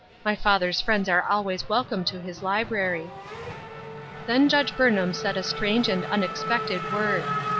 My father's friends are always welcome to his library." Then Judge Burnham said a strange and unexpected word.